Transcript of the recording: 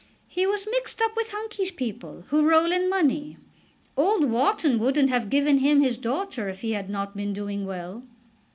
"He was mixed up with Hunkey's people, who roll in money; Old Wharton wouldn't have given him his daughter if he had not been doing well."